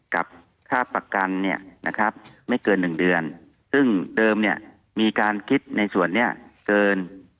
กับค่าประกันเนี่ยนะครับไม่เกิน๑เดือนซึ่งเดิมเนี่ยมีการคิดในส่วนนี้เกิน